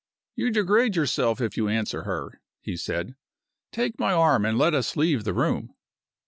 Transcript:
"You degrade yourself if you answer her," he said. "Take my arm, and let us leave the room."